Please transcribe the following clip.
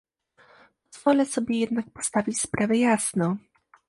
Pozwolę sobie jednak postawić sprawę jasno